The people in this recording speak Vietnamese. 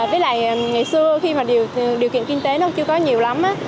với lại ngày xưa khi mà điều kiện kinh tế nó chưa có nhiều lắm